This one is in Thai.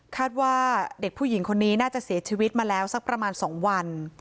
ว่าเด็กผู้หญิงคนนี้น่าจะเสียชีวิตมาแล้วสักประมาณ๒วัน